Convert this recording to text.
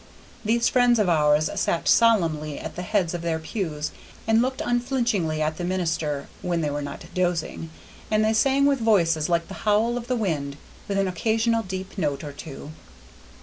These friends of ours sat solemnly at the heads of their pews and looked unflinchingly at the minister, when they were not dozing, and they sang with voices like the howl of the wind, with an occasional deep note or two.